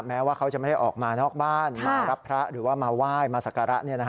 แม้ว่าเขาจะไม่ได้ออกมานอกบ้านมารับพระหรือว่ามาไหว้มาสักการะ